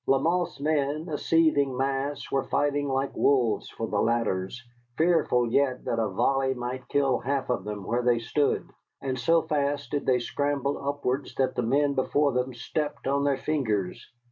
Lamothe's men, a seething mass, were fighting like wolves for the ladders, fearful yet that a volley might kill half of them where they stood. And so fast did they scramble upwards that the men before them stepped on their fingers.